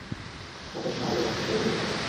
তাকে এখন আমাদের হাসপাতালে নিয়ে যেতে হবে!